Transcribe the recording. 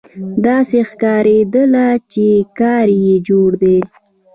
داسې ښکارېدله چې کار یې جوړ دی.